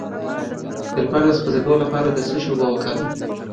د لمر د سوځیدو لپاره د څه شي اوبه وکاروم؟